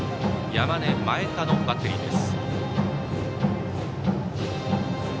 山根、前田のバッテリーです。